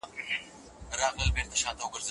دغه سړی په رښتیا سره په خپلو ټولو ژمنو کي ولاړ و.